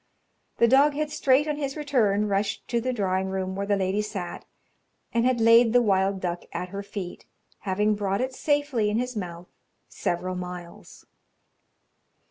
The dog had straight on his return rushed to the drawing room where the lady sat, and had laid the wild duck at her feet, having brought it safely in his mouth several miles.